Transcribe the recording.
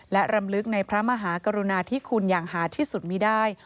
และรำลึกในพระมหากรุณาที่คุณอย่างหาที่สุดมีได้